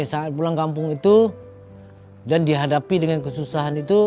saat pulang kampung itu dan dihadapi dengan kesusahan itu